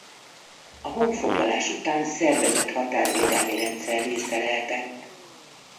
A honfoglalás után szervezett határvédelmi rendszer része lehetett.